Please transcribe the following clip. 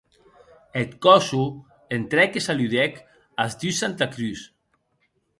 Eth còsso entrèc e saludèc as dus Santa Cruz.